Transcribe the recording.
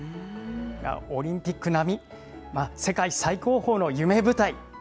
オリンピック並み、世界最高峰の夢舞台。